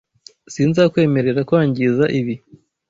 Sinzakwemerera kwangiza ibi.